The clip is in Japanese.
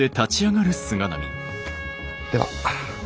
では。